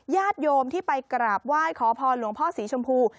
ญาติโยมที่ไปกราบไหว้ขอพรหลวงพ่อสีชมพู